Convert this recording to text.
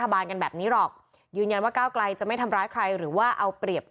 มานั่งเป็นประธานสภาเนี่ย